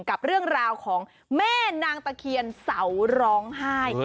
กับเรื่องราวของแม่นางตะเคียนเสาร้องไห้